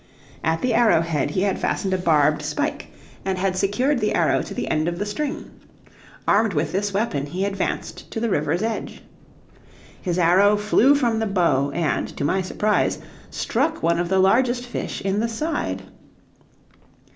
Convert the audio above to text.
At the arrow head he had fastened a barbed spike, and had secured the arrow to the end of the string. Armed with this weapon, he advanced to the river's edge. His arrow flew from the bow, and, to my surprise, struck one of the largest fish in the side.